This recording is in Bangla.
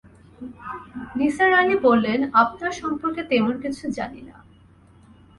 নিসার আলি বললেন, আপনার সম্পর্কে তেমন কিছু জানি না।